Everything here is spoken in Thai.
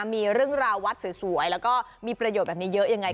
มีเรื่องราววัดสวยแล้วก็มีประโยชน์แบบนี้เยอะยังไง